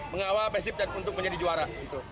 mengawal pssi untuk menjadi juara